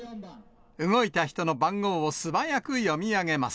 動いた人の番号を素早く読み上げます。